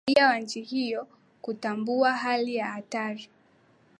raia wa nchi hiyo kutambua hali ya hatari